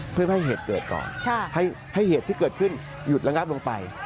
เพื่อให้เหตุเกิดก่อนให้เหตุที่เกิดขึ้นหยุดระงับลงไป